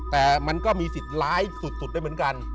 แต่มันก็มีสิทธิ์ร้ายสุดได้เหมือนกัน